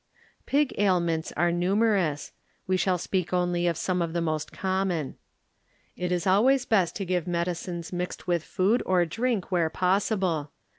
Pig ailments are numerous; we shall speak only of some of the most common. It is always best to give medicines mixed with food or drink where {possible.